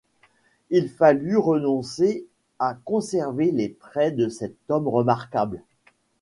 Il fallut renoncer à conserver les traits de cet homme remarquable.